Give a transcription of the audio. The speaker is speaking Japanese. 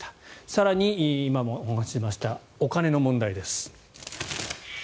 更に、今もお話ししましたお金の問題です。